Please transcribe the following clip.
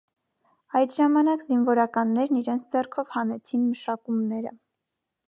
Այդ ժամանակ զինվորականներն իրենց ձեռքով հանեցին մշակումները։